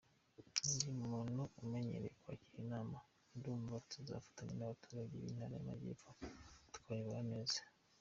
Ndi Umuntu umenyereye kwakira inama, ndumva tuzafatanya abaturage b’Intara y’Amajyepfo tukabayobora neza”.